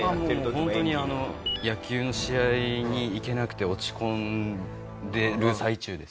ホントにあの野球の試合に行けなくて落ち込んでる最中です。